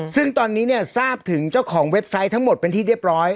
ซึ่งตอนนี้เนี่ยทราบถึงเจ้าของเว็บไซต์ทั้งหมดเป็นที่เรียบร้อย